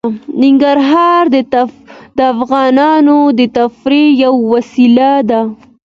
ننګرهار د افغانانو د تفریح یوه وسیله ده.